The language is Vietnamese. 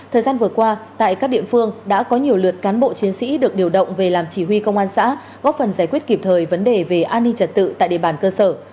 thời gian vừa qua tại các địa phương đã có nhiều lượt cán bộ chiến sĩ được điều động về làm chỉ huy công an xã góp phần giải quyết kịp thời vấn đề về an ninh trật tự tại địa bàn cơ sở